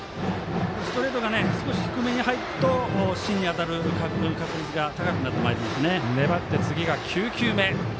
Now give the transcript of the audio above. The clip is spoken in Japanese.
ストレートが低めに入ると芯に当たる確率が高くなってまいります。